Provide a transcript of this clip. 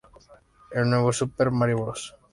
En New Super Mario Bros.